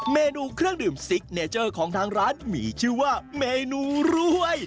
เมนูเครื่องดื่มซิกเนเจอร์ของทางร้านมีชื่อว่าเมนูรวย